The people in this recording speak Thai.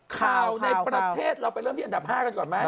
ข่าวในประเทศเราไปเริ่มที่อันดับ๕กันก่อนไหม